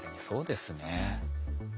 そうですね。